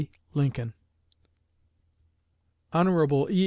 LINCOLN. Hon. E.